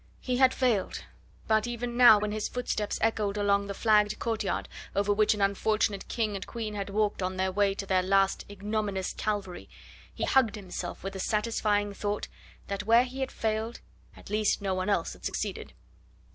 He had failed, but even now, when his footsteps echoed along the flagged courtyard, over which an unfortunate King and Queen had walked on their way to their last ignominious Calvary, he hugged himself with the satisfying thought that where he had failed at least no one else had succeeded.